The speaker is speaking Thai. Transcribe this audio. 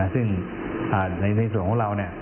ซึ่งในส่วนของเรา